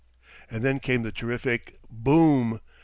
And then came the terrific Bo o om!